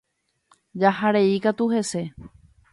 Jaharei katu hese